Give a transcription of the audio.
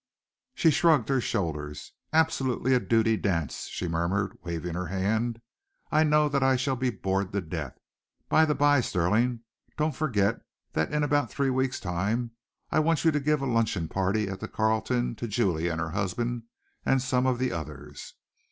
She shrugged her shoulders. "Absolutely a duty dance," she murmured, waving her hand. "I know that I shall be bored to death! By the bye, Stirling, don't forget that in about three weeks' time I want you to give a luncheon party at the Carlton to Julia and her husband, and some of the others."